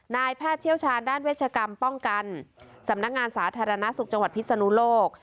แพทย์เชี่ยวชาญด้านเวชกรรมป้องกันสำนักงานสาธารณสุขจังหวัดพิศนุโลก